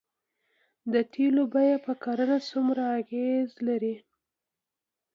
د تیلو بیه په کرنه څومره اغیز لري؟